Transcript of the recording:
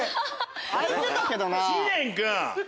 開いてたけどな。